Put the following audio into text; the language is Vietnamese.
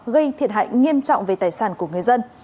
gây thiệt hại nghiêm trọng về tài sản của người dân